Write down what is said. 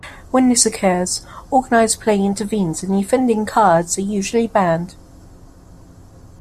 When this occurs, organized play intervenes and the offending cards are usually banned.